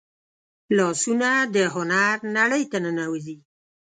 لاسونه د هنر نړۍ ته ننوځي